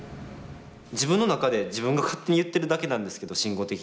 自分の中で自分が勝手に言ってるだけなんですけど慎吾的には。